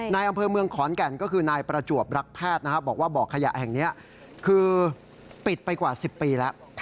ในอำเภอเมืองขอนแก่นก็คือนายประจวบรักแพทย์บอกว่าบ่อขยะแห่งนี้คือปิดไปกว่า๑๐ปีแล้ว